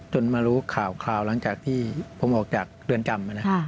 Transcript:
มารู้ข่าวหลังจากที่ผมออกจากเรือนจำ